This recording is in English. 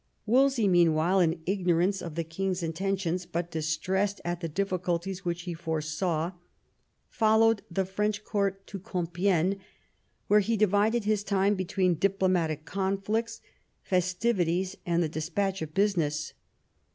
Wolsey, meanwhile, in ignorance of the King's inten tions, but distressed at the difficulties which he foresaw, followed the French Court to Compiegne, where he divided his time between diplomatic conflicts, festivities, and the despatch of business.